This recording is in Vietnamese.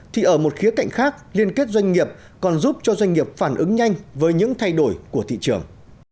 thì ở một khía cạnh khác liên kết doanh nghiệp còn giúp cho doanh nghiệp phản ứng nhanh với những thay đổi của thị trường